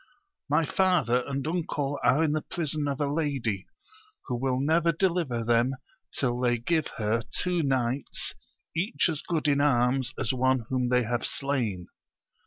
— My father and uncle are in the prison of a lady, who will never deliver them till they give her two knights each as good in arms as one whom they have slain.